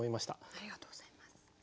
ありがとうございます。